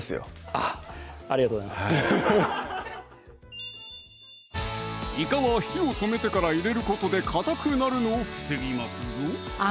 あっありがとうございますフフッいかは火を止めてから入れることでかたくなるのを防ぎますぞあ